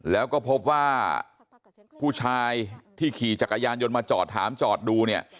แล้วก็พบว่าผู้ชายที่ขี่จักรยานยนต์มาจอดถามจอดดูเนี่ย